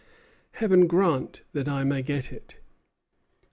Heaven grant that I may get it!"